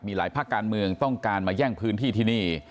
มีหลายภาคการเมืองต้องการมาแย่งพื้นที่ที่นี่